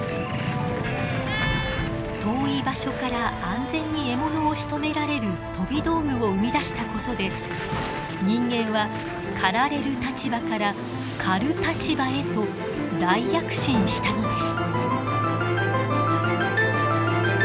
遠い場所から安全に獲物をしとめられる飛び道具を生み出したことで人間は狩られる立場から狩る立場へと大躍進したのです。